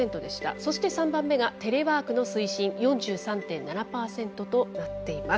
そして、３番目が「テレワークの推進」４３．７％となっています。